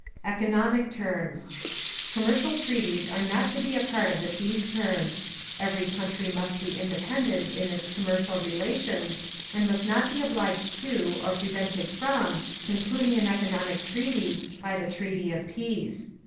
Economic Terms Commercial treaties are not to be a part of the peace terms. Every country must be independent in its commercial relations, and must not be obliged to, or prevented from, concluding an economic treaty, by the Treaty of Peace.